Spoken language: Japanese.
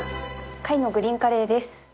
貝のグリーンカレーです。